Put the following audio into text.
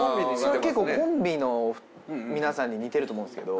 それ結構コンビの皆さんに似てると思うんすけど。